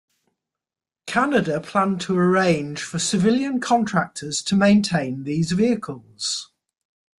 Canada planned to arrange for civilian contractors to maintain these vehicles.